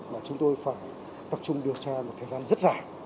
mà chúng tôi phải tập trung điều tra một thời gian rất dài